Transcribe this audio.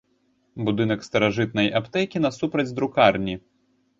Будынак старажытнай аптэкі насупраць друкарні.